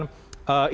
dan ini berarti